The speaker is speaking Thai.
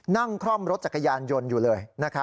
คล่อมรถจักรยานยนต์อยู่เลย